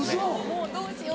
もうどうしよう。